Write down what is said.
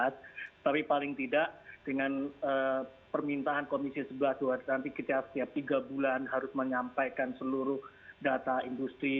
tapi paling tidak dengan permintaan komisi sebelas nanti kita setiap tiga bulan harus menyampaikan seluruh data industri